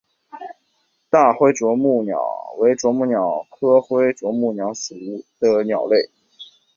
大灰啄木鸟为啄木鸟科灰啄木鸟属的鸟类。